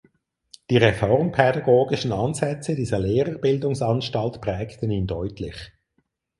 Die reformpädagogischen Ansätze dieser Lehrerbildungsanstalt prägten ihn deutlich.